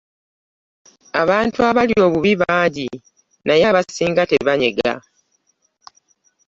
Abantu abali obubi bangi naye abasinga tebanyega.